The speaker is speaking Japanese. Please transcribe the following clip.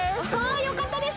よかったです！